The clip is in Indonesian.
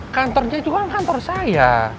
kantornya juga kantor saya